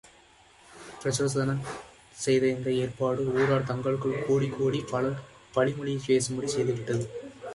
பிரச்சோதனன் செய்த இந்த ஏற்பாடு, ஊரார் தங்களுக்குள் கூடிக் கூடிப் பழிமொழி பேசும்படி செய்துவிட்டது.